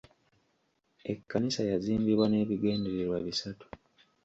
Ekkanisa yazimbibwa n'ebigendererwa bisatu.